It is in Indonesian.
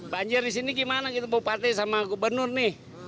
banjir di sini gimana gitu bupati sama gubernur nih